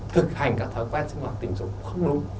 thực hành các thói quen sinh hoạt tình dục không đúng